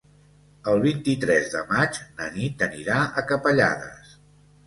El vint-i-tres de maig na Nit anirà a Capellades.